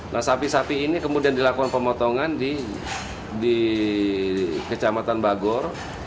nah sapi sapi ini kemudian dilakukan pemotongan di kecamatan bagor